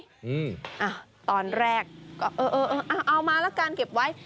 อืมอ่ะตอนแรกเอามาแล้วกันเก็บไว้